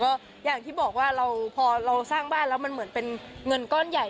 ก็อย่างที่บอกว่าเราพอเราสร้างบ้านแล้วมันเหมือนเป็นเงินก้อนใหญ่